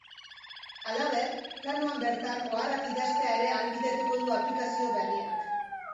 Halaber, planoan bertan oharrak idaztea ere ahalbidetuko du aplikazio berriak.